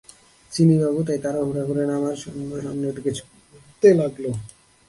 চিনি বানু তাই তাড়াহুড়া করে নামার জন্য সামনের দিকে ছুটতে লাগল।